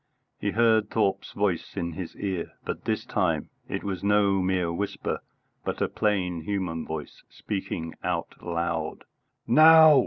He heard Thorpe's voice in his ear, but this time it was no mere whisper, but a plain human voice, speaking out loud. "Now!"